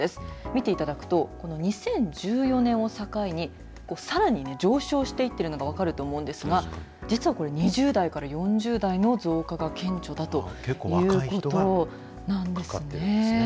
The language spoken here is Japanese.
見ていただくと、この２０１４年を境に、さらに上昇していっているのが分かると思うんですが、実はこれ、２０代から４０代の増加が顕著だということなんですね。